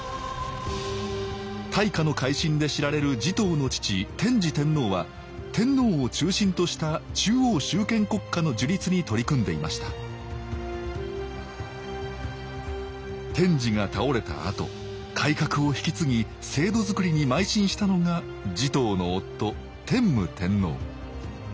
大化の改新で知られる持統の父天智天皇は天皇を中心とした中央集権国家の樹立に取り組んでいました天智が倒れたあと改革を引き継ぎ制度づくりにまい進したのが持統の夫天武天皇。